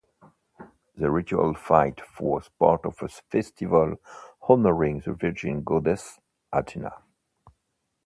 The ritual fight was part of a festival honoring the virgin goddess Athena.